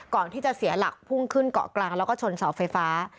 ก่อนที่จะเสียหลักพุ่งขึ้นเกาะกลางแล้วก็ชนเสาไฟฟ้า